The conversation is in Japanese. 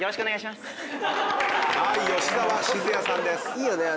いいよね。